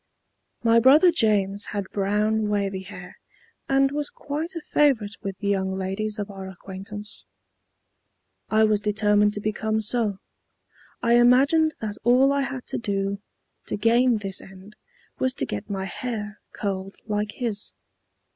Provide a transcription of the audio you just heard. My brother James had brown wavy hair, and was quite a favorite with the young ladies of our acquaintance. I was determined to become so. I imagined that all I had to do to gain this end was to get my hair curled like his.